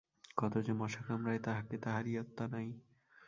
কত যে মশা কামড়ায় তাহাকে তাহার ইয়ত্তা নাই।